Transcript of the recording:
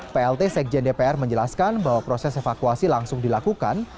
plt sekjen dpr menjelaskan bahwa proses evakuasi langsung dilakukan